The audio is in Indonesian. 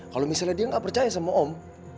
kalau misalnya dia nggak percaya sama om